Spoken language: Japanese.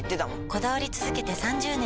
こだわり続けて３０年！